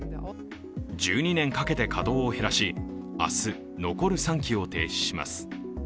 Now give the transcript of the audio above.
１２年かけて稼働を減らし、明日、残る３基を停止します。